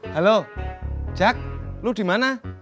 halo jack lu dimana